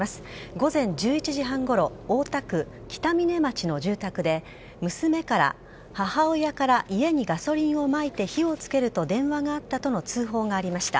午前１１時半ごろ大田区の住宅で娘から母親から家にガソリンをまいて火をつけると電話があったとの通報がありました。